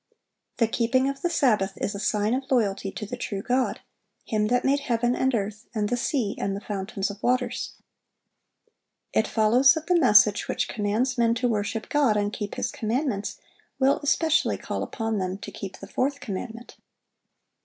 The keeping of the Sabbath is a sign of loyalty to the true God, "Him that made heaven, and earth, and the sea, and the fountains of waters." It follows that the message which commands men to worship God and keep His commandments, will especially call upon them to keep the fourth commandment.